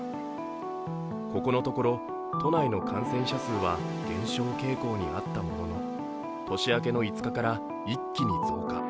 ここのところ、都内の感染者数は減少傾向にあったものの年明けの５日から一気に増加。